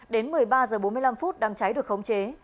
đến một mươi ba h bốn mươi năm đám cháy được khống chế